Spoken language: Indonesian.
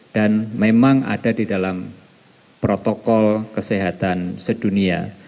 dan memang ada di dalam protokol kesehatan sedunia